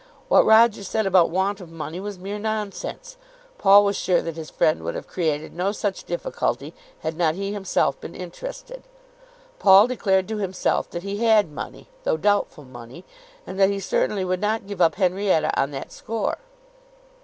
What Roger said about want of money was mere nonsense. Paul was sure that his friend would have created no such difficulty had not he himself been interested. Paul declared to himself that he had money, though doubtful money, and that he certainly would not give up Henrietta on that score.